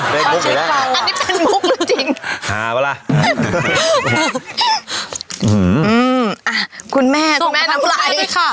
ประมาทอืมอ่าคุณแม่ส่งมาที่สาธารณ์คุณไปด้วยค่ะ